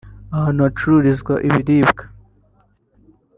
ahantu hacururizwa ibiribwa